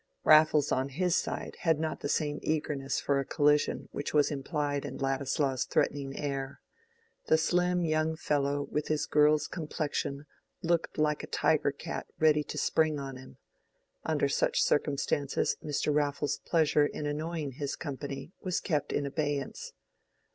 Raffles on his side had not the same eagerness for a collision which was implied in Ladislaw's threatening air. The slim young fellow with his girl's complexion looked like a tiger cat ready to spring on him. Under such circumstances Mr. Raffles's pleasure in annoying his company was kept in abeyance.